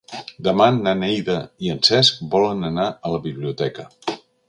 Demà na Neida i en Cesc volen anar a la biblioteca.